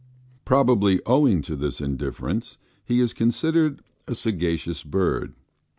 Probably, owing to this indifference, he is considered a sagacious bird.